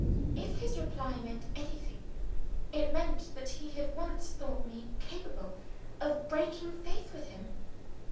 If his reply meant anything, it meant that he had once thought me capable of breaking faith with him.